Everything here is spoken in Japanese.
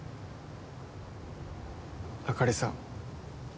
あかりさん